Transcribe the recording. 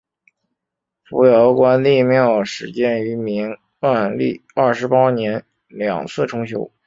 扶摇关帝庙始建于明万历二十八年两次重修。